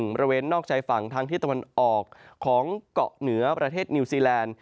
บริเวณนอกชายฝั่งทางที่ตะวันออกของเกาะเหนือประเทศนิวซีแลนด์